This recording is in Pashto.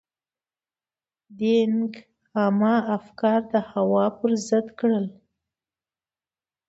دینګ عامه افکار د هوا پر ضد کړل.